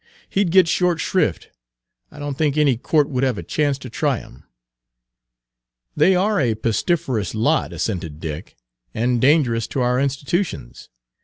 He 'd get short shrift; I don't think any Court would have a chance to try him." "They are a pestiferous lot," assented Dick, "and dangerous to our institutions.